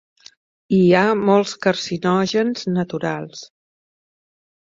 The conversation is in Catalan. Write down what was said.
Hi ha molts carcinògens naturals.